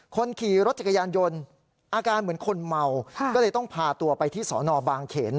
คนขี่รถจักรยานยนต์อาการเหมือนคนเมาก็เลยต้องพาตัวไปที่สนบางเขน